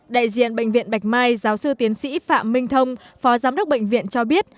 đại diện bệnh viện bạch mai giáo sư tiến sĩ phạm minh thông phó giám đốc bệnh viện cho biết